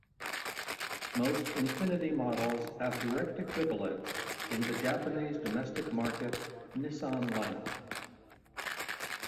Most Infiniti models have direct equivalents in the Japanese domestic market Nissan lineup.